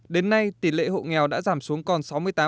đến nay tỷ lệ hộ nghèo đã giảm xuống còn sáu mươi tám